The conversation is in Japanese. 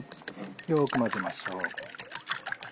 よく混ぜましょう。